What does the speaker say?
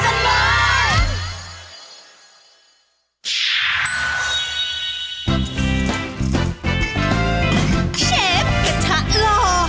เชฟกระทะหล่อ